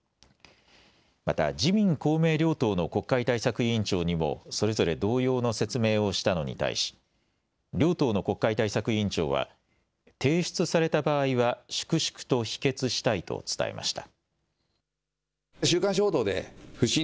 また自民公明両党の国会対策委員長にもそれぞれ同様の説明をしたのに対し両党の国会対策委員長は提出された場合は粛々と否決したいと伝えました。